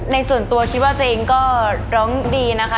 ส่วนตัวคิดว่าตัวเองก็ร้องดีนะคะ